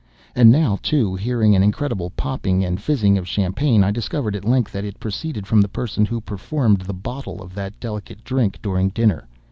And now, too, hearing an incredible popping and fizzing of champagne, I discovered at length, that it proceeded from the person who performed the bottle of that delicate drink during dinner.